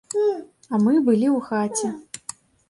А мы былі ў хаце.